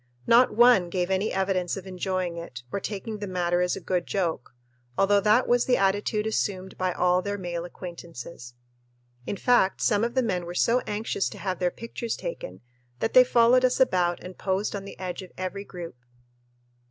Not one gave any evidence of enjoying it or taking the matter as a good joke, although that was the attitude assumed by all their male acquaintances. In fact, some of the men were so anxious to have their pictures taken that they followed us about and posed on the edge of every group.